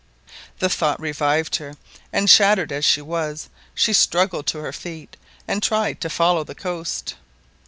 The thought revived her, and, shattered as she was, she struggled to her feet, and tried to follow the coast.